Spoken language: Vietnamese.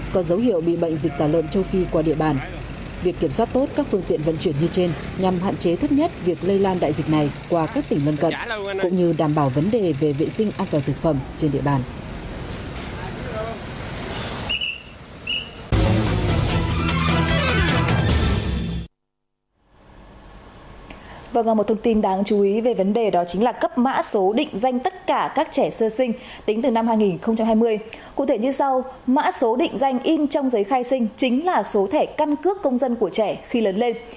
các công dân của trẻ khi lớn lên